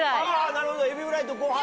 なるほどエビフライとご飯と。